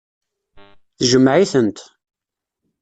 Tjmeɛ-itent.